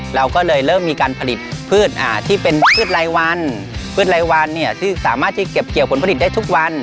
เราก็เลยเริ่มมีการผลิตพืชที่เป็นพืชรายวันพืชรายวันที่สามารถที่เก็บเกี่ยวผลผลิตได้ทุกวัน